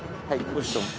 はい。